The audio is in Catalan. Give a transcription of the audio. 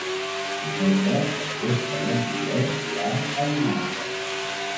Dimecres en Jofre i en Guillem iran a Vinaixa.